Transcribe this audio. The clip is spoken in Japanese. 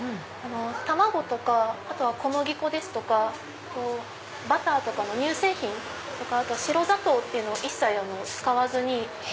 卵とか小麦粉ですとかバターとかの乳製品とか白砂糖を一切使わずに。